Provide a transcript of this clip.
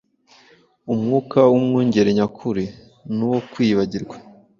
Umwuka w’umwungeri nyakuri ni uwo kwiyibagirwa